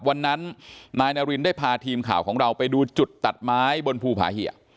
วันนั้นนายนารินได้พาทีมข่าวของเราไปดูจุดตัดไม้บนภูผาเหยะ